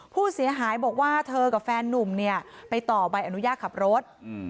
ผู้เสียหายบอกว่าเธอกับแฟนนุ่มเนี่ยไปต่อใบอนุญาตขับรถ